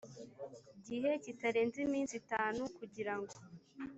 gihe kitarenze iminsi itanu kugirango